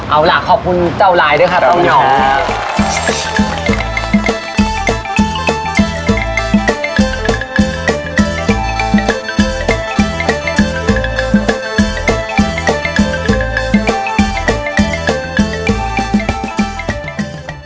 เอาล่ะขอบคุณเจ้าลายด้วยครับเต้านยองกันครับขอบคุณครับ